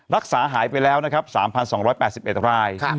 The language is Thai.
รักษาหายไปแล้วนะครับ๓๒๘๑ราย